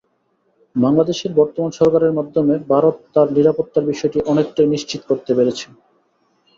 বাংলাদেশের বর্তমান সরকারের মাধ্যমে ভারত তার নিরাপত্তার বিষয়টি অনেকটাই নিশ্চিত করতে পেরেছে।